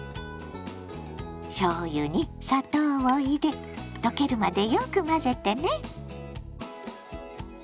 しょうゆに砂糖を入れ溶けるまでよく混ぜてね。